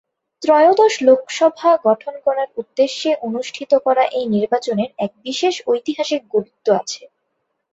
ত্রয়োদশ লোকসভা গঠন করার উদ্দেশে অনুষ্ঠিত করা এই নির্বাচনের এক বিশেষ ঐতিহাসিক গুরুত্ব আছে।